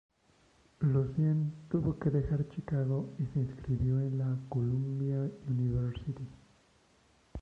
Lucien tuvo que dejar Chicago y se inscribió en la Columbia University.